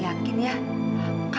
kalau keputusan ini adalah untuk ayah